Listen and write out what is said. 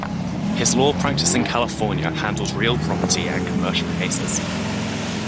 His law practice in California handled real property and commercial cases.